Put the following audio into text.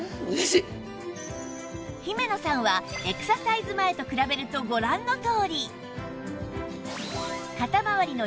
姫野さんはエクササイズ前と比べるとご覧のとおり